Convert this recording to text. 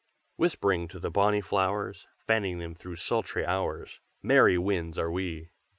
Whispering to the bonny flowers, Fanning them through sultry hours, Merry winds are we!"